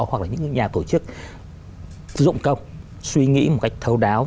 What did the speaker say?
hoặc là những nhà tổ chức dụng công suy nghĩ một cách thấu đáo